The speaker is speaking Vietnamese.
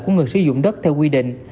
của người sử dụng đất theo quy định